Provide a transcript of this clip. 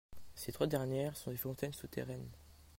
Ces trois dernières sont des fontaines souterraines.